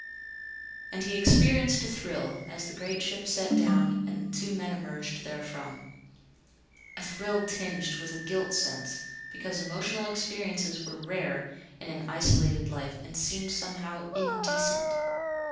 And he experienced a thrill as the great ship set down and two men emerged therefrom. A thrill tinged with a guilt sense, because emotional experiences were rare in an isolated life and seemed somehow indecent.